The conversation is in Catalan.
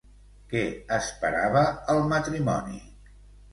Què esperava el matrimoni?